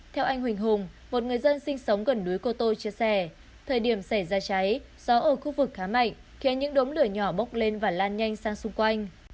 theo anh huỳnh hùng một người dân sinh sống gần núi cô tô chia sẻ thời điểm xảy ra cháy gió ở khu vực khá mạnh khiến những đốm lửa nhỏ bốc lên và lan nhanh sang xung quanh